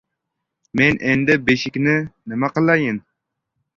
Men endi beshikni nima qilayin?